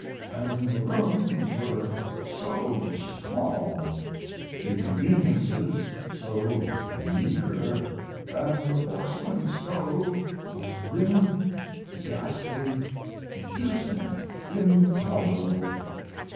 And the rooms were so small, the conveniences so meager, and the porcelain stove was grim, ghastly, dismal, intolerable!